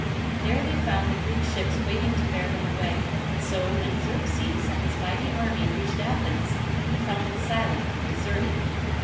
There they found the Greek ships waiting to bear them away, and so when Xerxes and his mighty army reached Athens, they found it silent and desertod.